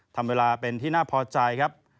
ทำเวลาเป็นที่น่าพอใจครับ